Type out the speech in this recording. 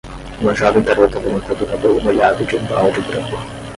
uma jovem garota levantando o cabelo molhado de um balde branco